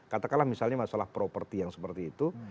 katakanlah misalnya masalah properti yang seperti itu